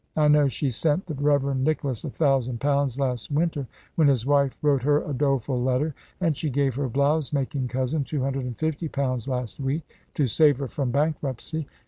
I know she sent the Reverend Nicholas a thousand pounds last winter, when his wife wrote her a doleful letter; and she gave her blouse making cousin two hundred and fifty pounds last week, to save her from bankruptcy.